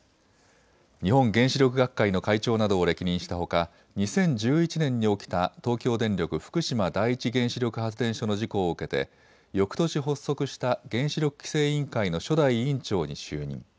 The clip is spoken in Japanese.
日本原子力学会の会長などを歴任したほか２０１１年に起きた東京電力福島第一原子力発電所の事故を受けてよくとし発足した原子力規制委員会の初代委員長に就任。